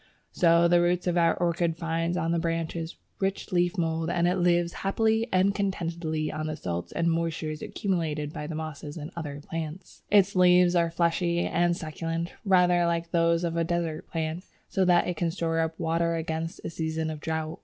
So the roots of our orchid find on the branches rich leaf mould, and it lives happily and contentedly on the salts and moisture accumulated by the mosses and other plants. Its leaves are fleshy and succulent, rather like those of a desert plant, so that it can store up water against a season of drought.